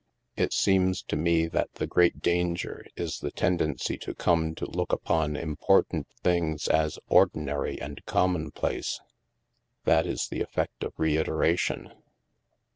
It seems to me that the great danger is the tendency to come to look upon important things as ordinary and com monplace. That is the effect of reiteration.